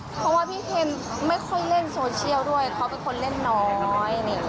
เพราะว่าพี่เคนไม่ค่อยเล่นโซเชียลด้วยเขาเป็นคนเล่นน้อย